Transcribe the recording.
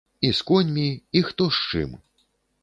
І з коньмі, і хто з чым.